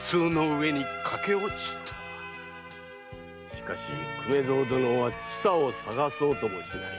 しかし粂蔵殿は千佐を捜そうともしない。